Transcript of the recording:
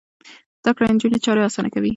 زده کړې نجونې چارې اسانه کوي.